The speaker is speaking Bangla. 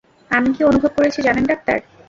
আমি কী অনুভব করেছি, জানেন ডাক্তার?